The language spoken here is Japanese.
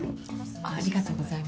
ありがとうございます。